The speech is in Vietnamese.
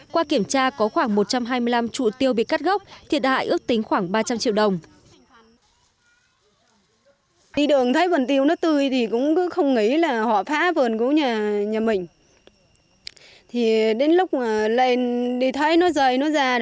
qua kiểm tra có khoảng một trăm hai mươi năm trụ tiêu bị cắt gốc thiệt hại ước tính khoảng ba trăm linh triệu đồng